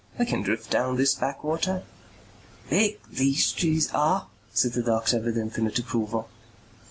(We can drift down this backwater.)" "Big these trees are," said the doctor with infinite approval.